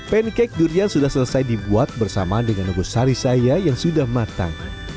pancake durian sudah selesai dibuat bersama dengan nogosari saya yang sudah matang